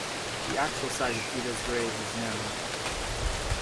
The actual site of Uda's grave is known.